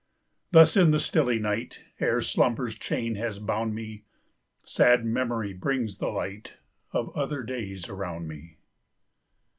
Thus in the stilly night, Ere slumber's chain has bound me, Sad Memory brings the light Of other days around me.